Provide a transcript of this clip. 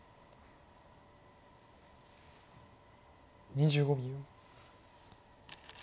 ２５秒。